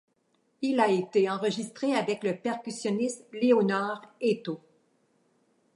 Il a été enregistré avec le percussionniste Leonard Eto.